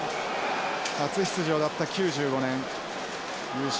初出場だった９５年優勝。